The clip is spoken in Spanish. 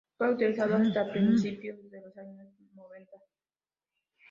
Fue utilizado hasta principios de los años noventa.